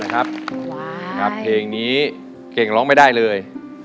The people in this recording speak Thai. คุณว่าเพลงนี้เก่งร้องไม่ได้เลย